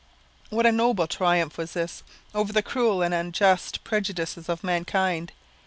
What a noble triumph was this, over the cruel and unjust prejudices of mankind!